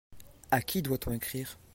A qui doit-on écrire ?